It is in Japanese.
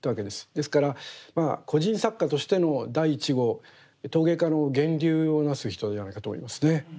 ですからまあ個人作家としての第１号陶芸家の源流をなす人じゃないかと思いますね。